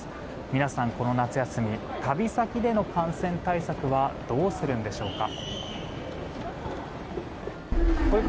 皆さん、この夏休み旅先での感染対策はどうするんでしょうか。